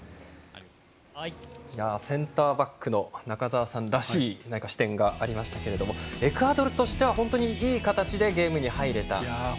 センターバックの中澤さんらしい視点がありましたけれどもエクアドルとしては本当にいい形でゲームに入れた。